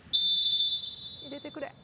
入れてくれ。